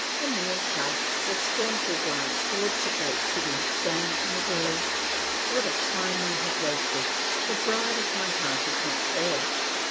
Emile casts a scornful glance towards the great city, saying angrily, "What a time we have wasted; the bride of my heart is not there.